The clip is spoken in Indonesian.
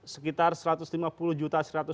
sekitar satu ratus lima puluh juta